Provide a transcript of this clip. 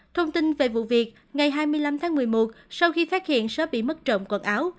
thông tin về vụ việc ngày hai mươi năm tháng một mươi một sau khi phát hiện sớm bị mất trộm quần áo